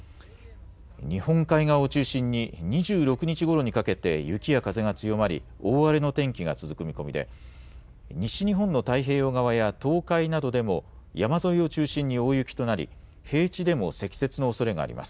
日本海側を中心に、２６日ごろにかけて雪や風が強まり、大荒れの天気が続く見込みで、西日本の太平洋側や東海などでも、山沿いを中心に大雪となり、平地でも積雪のおそれがあります。